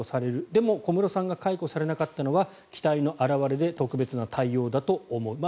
でも、小室さんが解雇されなかったのは期待の表れで特別な対応だと思うと。